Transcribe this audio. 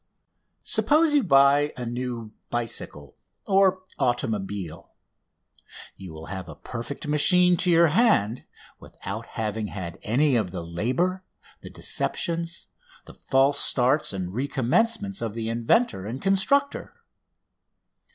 Suppose you buy a new bicycle or automobile. You will have a perfect machine to your hand without having had any of the labour, the deceptions, the false starts and recommencements, of the inventor and constructor.